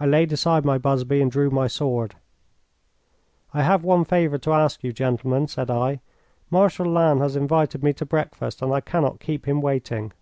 I laid aside my busby and drew my sword. "I have one favour to ask you, gentlemen," said I. "Marshal Lannes has invited me to breakfast and I cannot keep him waiting."